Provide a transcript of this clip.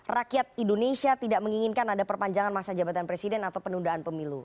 rakyat indonesia tidak menginginkan ada perpanjangan masa jabatan presiden atau penundaan pemilu